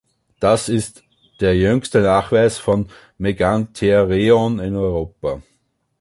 Das ist der jüngste Nachweis von "Megantereon" in Europa.